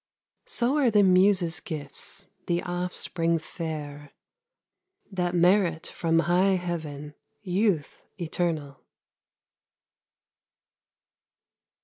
So are the Muse's gifts The offspring fair, That merit from high heaven Youth eternal.